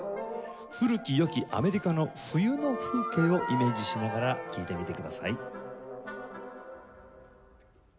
古き良きアメリカの冬の風景をイメージしながら聴いてみてください。